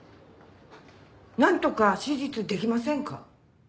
なんとか手術できませんか？